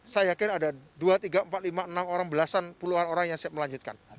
saya yakin ada dua tiga empat lima enam orang belasan puluhan orang yang siap melanjutkan